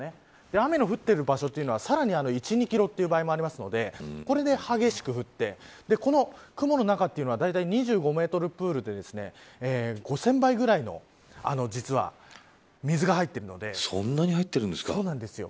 雨の降っている場所というのはさらに１、２キロという場合もあるのでこれで激しく降ってこの雲の中はだいたい２５メートルプールで５０００杯ぐらいの実は、水が入っているのでそんなに入ってるんですか。